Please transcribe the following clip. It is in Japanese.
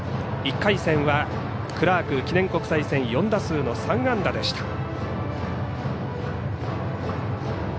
１回戦はクラーク記念国際戦４打数の３安打でした。